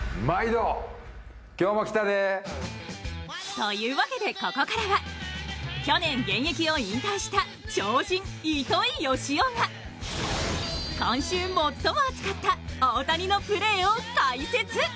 というわけでここからは去年、現役を引退した超人・糸井嘉男が今週最も熱かった大谷のプレーを解説。